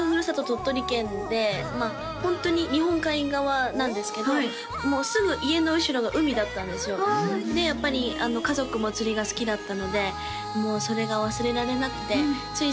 鳥取県でホントに日本海側なんですけどもうすぐ家の後ろが海だったんですよでやっぱり家族も釣りが好きだったのでもうそれが忘れられなくてつい